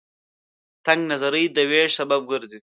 تنگ نظرۍ د وېش سبب ګرځي.